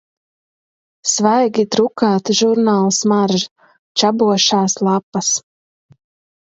Svaigi drukāta žurnāla smarža, čabošās lapas...